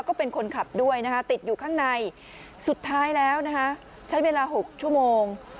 ก็เป็นคนขับด้วยนะคะติดอยู่ข้างในสุดท้ายแล้วนะคะใช้เวลา๖ชั่วโมง